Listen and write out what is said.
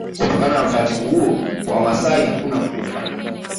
Kutokana na utaratibu huo kwa Wamasai hakuna mgumba